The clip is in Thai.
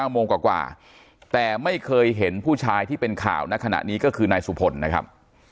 โมงกว่าแต่ไม่เคยเห็นผู้ชายที่เป็นข่าวณขณะนี้ก็คือนายสุพลนะครับ